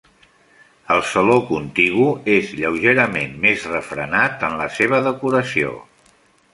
El saló contigu és lleugerament més refrenat en la seva decoració.